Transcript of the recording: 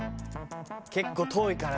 結構遠いからね